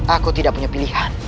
aku tidak punya pilihan